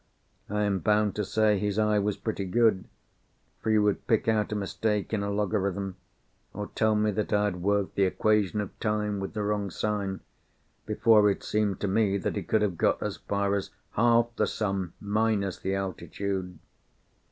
I am bound to say his eye was pretty good, for he would pick out a mistake in a logarithm, or tell me that I had worked the "Equation of Time" with the wrong sign, before it seemed to me that he could have got as far as "half the sum, minus the altitude."